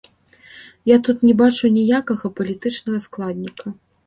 Я тут не бачу ніякага палітычнага складніка.